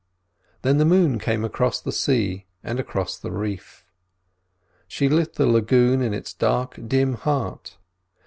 Then the moon came across the sea and across the reef. She lit the lagoon to its dark, dim heart.